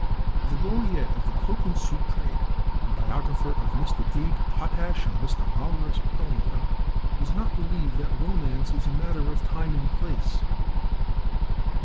The laureate of the cloak and suit trade and biographer of Mr. Abe Potash and Mr. Mawruss Perlmutter does not believe that romance is a matter of time and place.